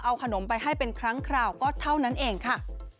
เอาขนมไปให้เป็นครั้งคราวก็เท่านั้นเองค่ะ